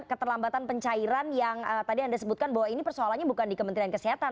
keterlambatan pencairan yang tadi anda sebutkan bahwa ini persoalannya bukan di kementerian kesehatan